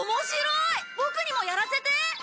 ボクにもやらせて。